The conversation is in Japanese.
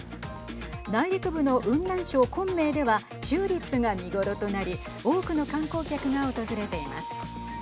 内陸部の雲南省昆明ではチューリップが見頃となり多くの観光客が訪れています。